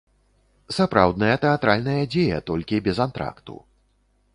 Сапраўдная тэатральная дзея, толькі без антракту.